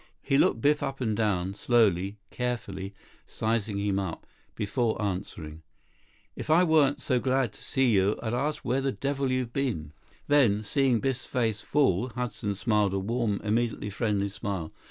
He looked Biff up and down, slowly, carefully, sizing him up, before answering. "If I weren't so glad to see you, I'd ask where the devil you've been." Then, seeing Biff's face fall, Hudson smiled, a warm, immediately friendly smile.